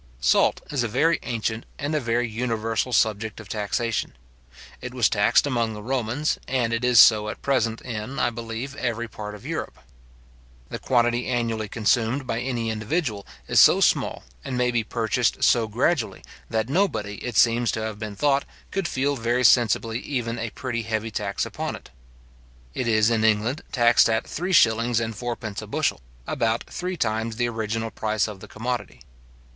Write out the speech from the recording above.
Salt is a very ancient and a very universal subject of taxation. It was taxed among the Romans, and it is so at present in, I believe, every part of Europe. The quantity annually consumed by any individual is so small, and may be purchased so gradually, that nobody, it seems to have been thought, could feel very sensibly even a pretty heavy tax upon it. It is in England taxed at three shillings and fourpence a bushel; about three times the original price of the commodity.